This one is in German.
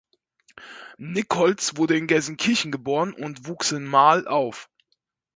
Nickholz wurde in Gelsenkirchen geboren und wuchs in Marl auf.